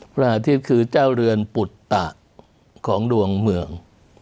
พระอาทิตย์คือเจ้าเรือนปุตตะของดวงเมือง